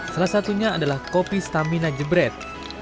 salah satunya adalah kopi stamina jebret